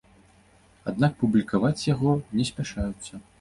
Аднак публікаваць яго не спяшаюцца.